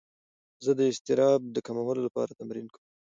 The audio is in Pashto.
زه د اضطراب د کمولو لپاره تمرین کوم.